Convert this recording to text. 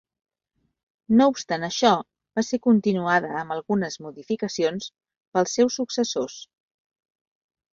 No obstant això va ser continuada amb algunes modificacions pels seus successors.